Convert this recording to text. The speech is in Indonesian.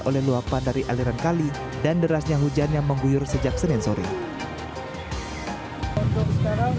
oleh luapan dari aliran kali dan derasnya hujan yang mengguyur sejak senin sore